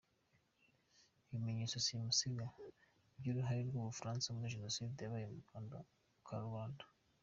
Ibimenyetso simusiga by’uruhare rw’u Bufaransa muri Jenoside yabaye mu rwnda ku karubanda